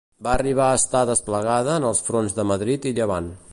Va arribar a estar desplegada en els fronts de Madrid i Llevant.